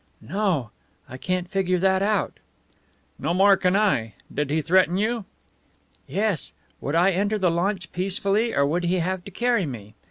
"No. I can't figure that out." "No more can I. Did he threaten you?" "Yes. Would I enter the launch peacefully, or would he have to carry me?